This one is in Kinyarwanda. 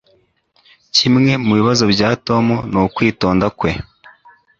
Kimwe mubibazo bya Tom nukwitonda kwe